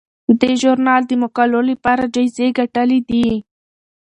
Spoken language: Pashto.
دې ژورنال د مقالو لپاره جایزې ګټلي دي.